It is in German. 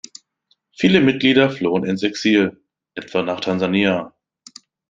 Viele Mitglieder flohen ins Exil, etwa nach Tansania.